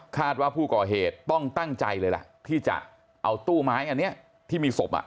ว่าผู้ก่อเหตุต้องตั้งใจเลยล่ะที่จะเอาตู้ไม้อันนี้ที่มีศพ